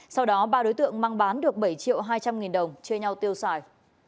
sau đó ba đối tượng mang bán được bảy triệu hai trăm linh nghìn đồng chia nhau tiêu xài